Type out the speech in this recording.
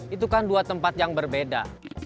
itu kan dua tempat yang berbeda